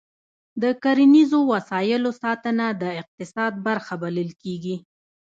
د کرنیزو وسایلو ساتنه د اقتصاد برخه بلل کېږي.